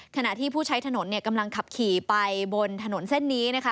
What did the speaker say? ขณะที่ผู้ใช้ถนนเนี่ยกำลังขับขี่ไปบนถนนเส้นนี้นะคะ